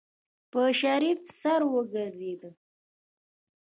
په شريف سر وګرځېده.